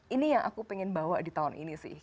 ini yang aku pengen bawa di tahun ini sih